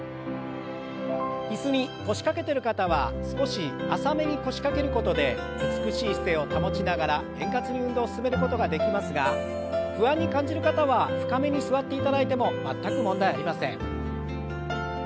椅子に腰掛けてる方は少し浅めに腰掛けることで美しい姿勢を保ちながら円滑に運動を進めることができますが不安に感じる方は深めに座っていただいても全く問題ありません。